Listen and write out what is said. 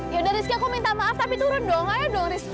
yaudah rizky aku minta maaf tapi turun dong ayolah dong rizky